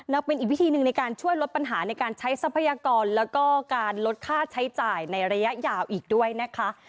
แล้วเป็นอีกวิธีหนึ่งในการช่วยลดปัญหาในการใช้ทรัพยากรแล้วก็การลดค่าใช้จ่ายในระยะยาวอีกด้วยนะคะ